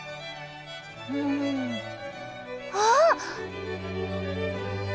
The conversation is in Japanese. うん。あっ！